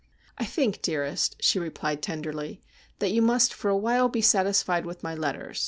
' I think, dearest,' she replied tenderly, ' that you must for a while be satisfied with my letters.